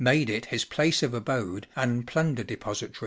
made it his place of abode and plunder depository.